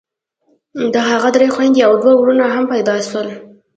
د هغه درې خويندې او دوه ورونه هم پيدا سول.